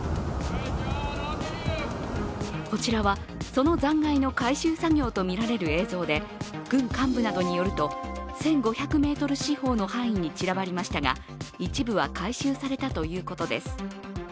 こちらはその残骸の回収作業とみられる映像で軍幹部などによると、１５００メートル四方の範囲に散らばりましたが一部は回収されたということです。